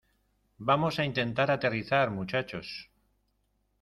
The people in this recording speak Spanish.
vamos a intentar aterrizar, muchachos.